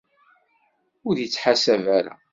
Ur ittḥasab ara!